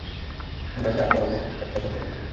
আমরা যা করব, একসাথে করব!